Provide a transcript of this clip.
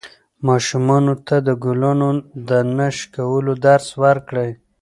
ماشومانو ته د ګلانو د نه شکولو درس ورکړئ.